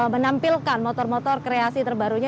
menampilkan motor motor kreasi terbarunya